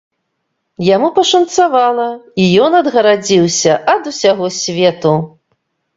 Яму пашанцавала, і ён адгарадзіўся ад усяго свету!